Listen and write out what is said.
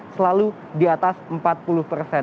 selalu di atas empat puluh persen